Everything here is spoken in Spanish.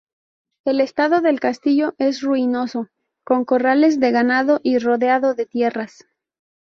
El estado del castillo es ruinoso, con corrales de ganado y rodeado de tierras.